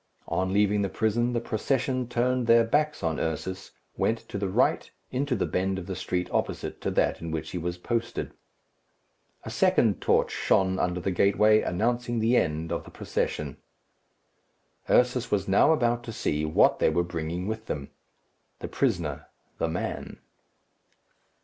On leaving the prison, the procession turned their backs on Ursus, went to the right, into the bend of the street opposite to that in which he was posted. A second torch shone under the gateway, announcing the end of the procession. Ursus was now about to see what they were bringing with them. The prisoner the man.